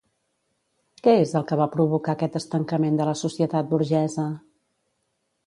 Què és el que va provocar aquest estancament de la societat burgesa?